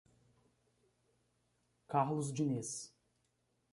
Carlos Dinis